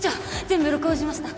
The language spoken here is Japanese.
全部録音しました！